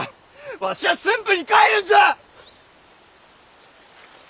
わしは駿府に帰るんじゃ！